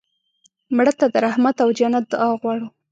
مړه ته د رحمت او جنت دعا غواړو